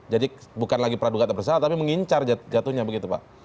bukan lagi praduga tak bersalah tapi mengincar jatuhnya begitu pak